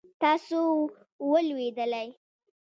تاسو ولوېدلئ؟